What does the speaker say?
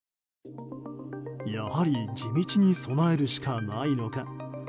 やはり地道に備えるしかないのか。